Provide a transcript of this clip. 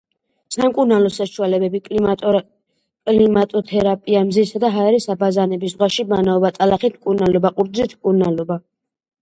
სამკურნალო საშუალებები: კლიმატოთერაპია, მზისა და ჰაერის აბაზანები, ზღვაში ბანაობა, ტალახით მკურნალობა, ყურძნით მკურნალობა.